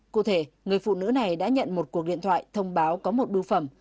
cụ thể người phụ nữ này đã nhận một cuộc điện thoại thông báo có một bưu phẩm